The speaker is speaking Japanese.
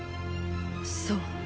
そう。